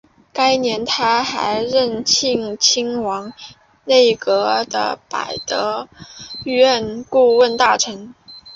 该年他还任庆亲王内阁的弼德院顾问大臣。